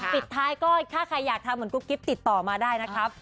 ปิดท้ายก็ถ้าใครอยากทำเหมือนกุ๊กกิ๊บติดต่อมาได้นะครับ